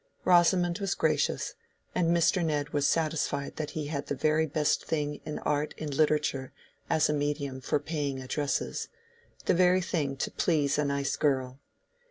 Rosamond was gracious, and Mr. Ned was satisfied that he had the very best thing in art and literature as a medium for "paying addresses"—the very thing to please a nice girl.